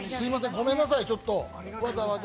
ごめんなさい、ちょっとわざわざ。